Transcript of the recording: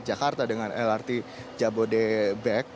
jakarta dengan lrt jabodebek